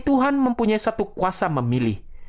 tuhan mempunyai satu kuasa memilih